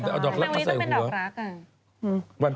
โหดเกินนะมาแต่๐๖